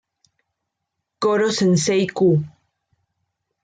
Koro-sensei Q!